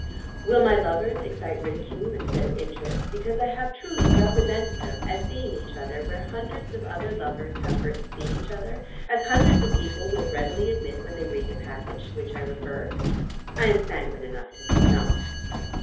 Will my lovers excite ridicule instead of interest, because I have truly represented them as seeing each other where hundreds of other lovers have first seen each other, as hundreds of people will readily admit when they read the passage to which I refer? I am sanguine enough to think not.